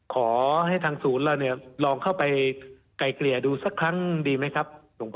ขอให้ทางศูนย์เราเนี่ยลองเข้าไปไกลเกลี่ยดูสักครั้งดีไหมครับ